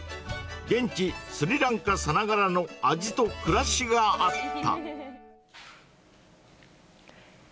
現地スリランカさながらの味と暮らしがあった。